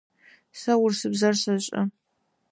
Сэ урысыбзэр сэшӏэ.